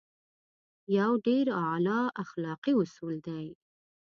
يو ډېر اعلی اخلاقي اصول دی.